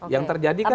yang terjadi kan